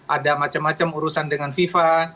ada macam macam urusan dengan fifa